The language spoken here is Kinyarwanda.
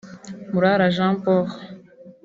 Murara Jean Paul